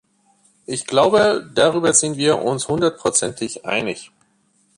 Ich glaube, darüber sind wir uns hundertprozentig einig.